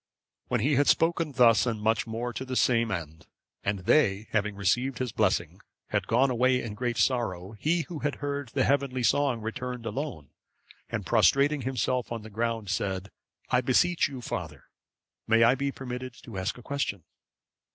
When he had spoken thus much and more to the same end, and they, having received his blessing, had gone away in great sorrow, he who had heard the heavenly song returned alone, and prostrating himself on the ground, said, "I beseech you, father, may I be permitted to ask a question?"